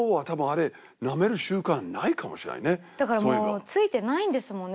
でもだからもう付いてないんですもんね